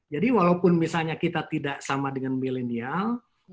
jadi walaupun misalnya kita tidak sama dengan milenial